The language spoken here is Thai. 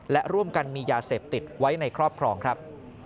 และร่วมกันมียาเสพติดไว้ในครอบครองครับ